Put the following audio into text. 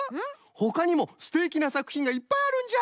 ほかにもすてきなさくひんがいっぱいあるんじゃ。